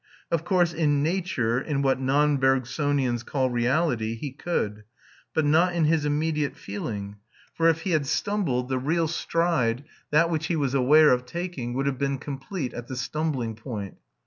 Of course, in nature, in what non Bergsonians call reality, he could: but not in his immediate feeling, for if he had stumbled, the real stride, that which he was aware of taking, would have been complete at the stumbling point.